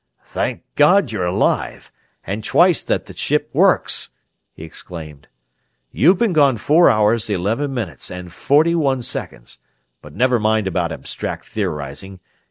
"Thank God you're alive, and twice that the ship works!" he exclaimed. "You've been gone four hours, eleven minutes, and forty one seconds, but never mind about abstract theorizing.